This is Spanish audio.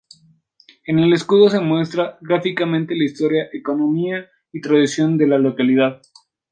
En el escudo se muestra gráficamente la historia, economía y tradición de la localidad.